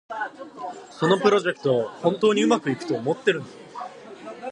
そのプロジェクト、本当にうまくいくと思ってるの？